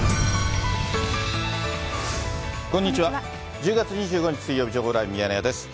１０月２５日水曜日、情報ライブミヤネ屋です。